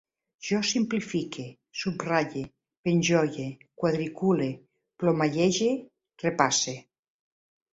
Jo simplifique, subratlle, penjolle, quadricule, plomallege, repasse